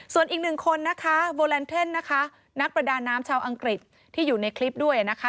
ส่วนอีกหนึ่งคนนะคะโบแลนเทนนะคะนักประดาน้ำชาวอังกฤษที่อยู่ในคลิปด้วยนะคะ